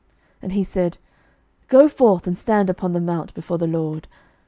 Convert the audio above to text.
11:019:011 And he said, Go forth, and stand upon the mount before the LORD.